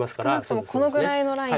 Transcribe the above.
少なくともこのぐらいのラインで。